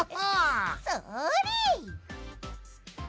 それ！